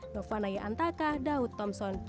novanaya antaka daud thompson jakarta